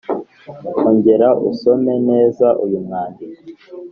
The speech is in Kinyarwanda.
ongera usome neza uyu mwandiko